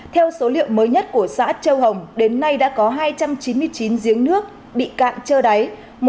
theo số liệu mới nhất của xã châu hồng đến nay đã có hai trăm chín mươi chín giếng nước bị cạn trơ đáy